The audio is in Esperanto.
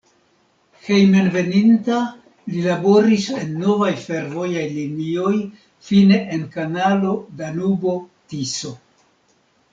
Hejmenveninta li laboris en novaj fervojaj linioj, fine en kanalo Danubo-Tiso.